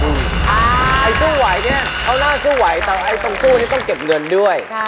ไอ้สู้ไหวเนี่ยเขาน่าสู้ไหวแต่ไอ้ตรงสู้นี้ต้องเก็บเงินด้วย